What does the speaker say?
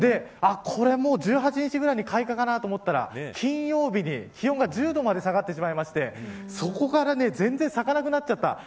これもう１８日ぐらいに開花かなと思ったら金曜日に気温が１０度まで下がってしまいましてそこから全然咲かなくなっちゃった。